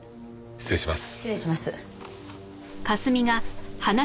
失礼します。